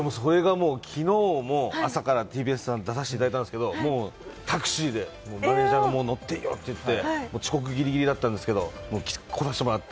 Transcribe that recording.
昨日も朝からＴＢＳさんに出させていただいたんですけど、タクシーでマネージャーも乗っていいよっていって遅刻ギリギリだったんですけど、こさせてもらって。